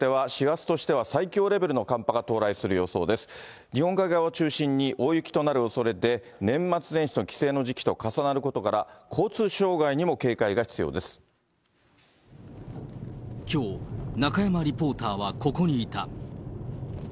日本海側を中心に大雪となるおそれで、年末年始と帰省の時期と重なることから、きょう、中山リポーターはここにいた。